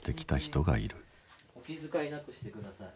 お気遣いなくしてください。